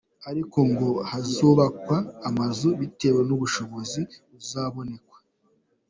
Ariko Ngo hazubakwa amazu bitewe n’ubushobozi buzaboneka.